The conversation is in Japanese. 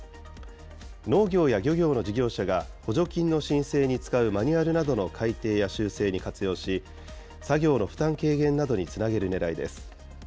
農業や漁業の事業者が補助金の申請に使うマニュアルなどの改訂や修正に活用し、作業の負担軽減などにつなげるねらいです。